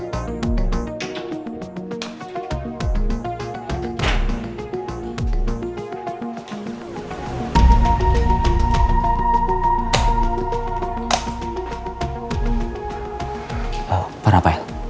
halo pak rafael